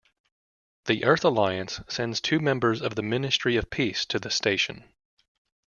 The Earth Alliance sends two members of the Ministry of Peace to the station.